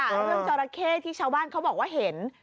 เรื่องจราเข้ที่ชาวบ้านเขาบอกว่าเห็น